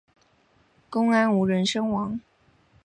公安无人伤亡。